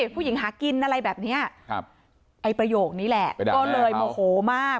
ผู้หญิงหากินอะไรแบบเนี้ยครับไอ้ประโยคนี้แหละก็เลยโมโหมาก